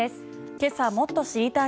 今朝もっと知りたい！